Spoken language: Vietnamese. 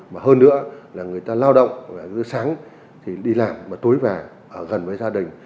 mà hơn nữa là người ta lao động dưa sáng thì đi làm và tối về ở gần với gia đình